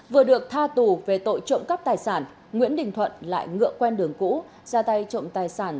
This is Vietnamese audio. vừa được tha tù về tội trộm cắp tài sản nguyễn đình thuận lại ngựa quen đường cũ ra tay trộm tài sản